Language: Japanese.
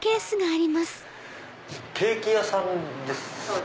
ケーキ屋さんですか？